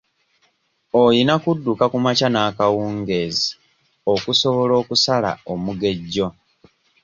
Oyina okudduka kumakya n'ekawungezi okusobola okusala omugejjo.